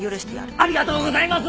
ありがとうございます！